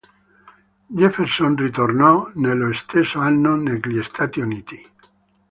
Jefferson ritornò nello stesso anno negli Stati Uniti.